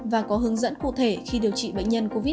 và có hướng dẫn cụ thể khi điều trị bệnh nhân covid một mươi